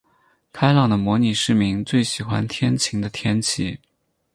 开朗的模拟市民最喜爱天晴的天气。